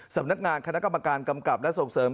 สำนักงานคณะกรรมการกำกับและส่งเสริม